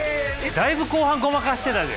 だいぶ後半ごまかしてたで。